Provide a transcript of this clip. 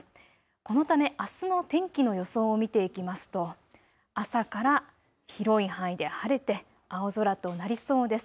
このためあすの天気の予想を見ていきますと朝から広い範囲で晴れて青空となりそうです。